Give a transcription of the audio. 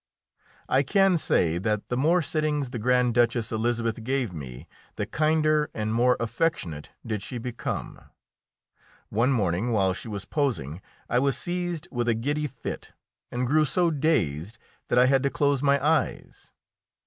I can say that the more sittings the Grand Duchess Elisabeth gave me, the kinder and more affectionate did she become. One morning, while she was posing, I was seized with a giddy fit and grew so dazed that I had to close my eyes.